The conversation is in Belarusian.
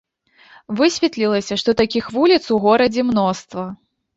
Высветлілася, што такіх вуліц у горадзе мноства.